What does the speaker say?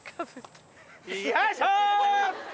よいしょ！